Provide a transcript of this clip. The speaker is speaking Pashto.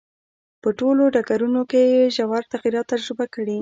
په ټولو ډګرونو کې یې ژور تغییرات تجربه کړي.